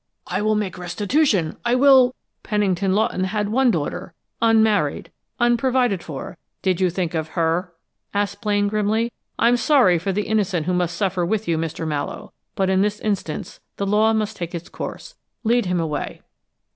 I will make restitution; I will " "Pennington Lawton had one daughter, unmarried, unprovided for! Did you think of her?" asked Blaine, grimly. "I'm sorry for the innocent who must suffer with you, Mr. Mallowe, but in this instance the law must take its course. Lead him away."